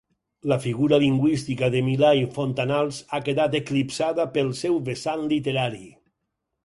La figura lingüística de Milà i Fontanals ha quedat eclipsada pel seu vessant literari.